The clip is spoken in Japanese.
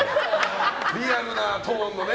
リアルなトーンのね。